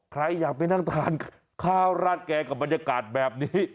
ใครอยากไปนั่งทานข้าวราดแกงกับบรรยากาศแบบนี้